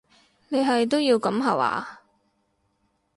你係都要噉下話？